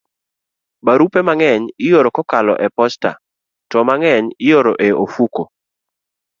Barupe mang'eny ioro kokalo e posta, to mang'eny ioro e ofuko.